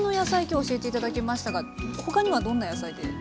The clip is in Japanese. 今日教えて頂きましたが他にはどんな野菜で？